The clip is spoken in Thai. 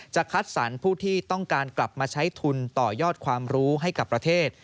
คัดสรรผู้ที่ต้องการกลับมาใช้ทุนต่อยอดความรู้ให้กับประเทศ